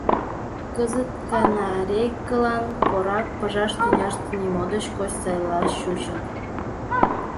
Кызыт канарейкылан корак пыжаш тӱняште нимо деч коч сайла чучын.